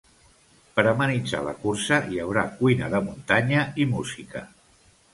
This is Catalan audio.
Per amenitzar la cursa, hi haurà cuina de muntanya i música.